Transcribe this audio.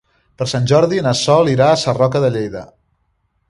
Per Sant Jordi na Sol irà a Sarroca de Lleida.